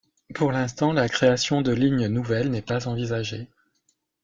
Pour l'instant, la création de lignes nouvelles n'est pas envisagée.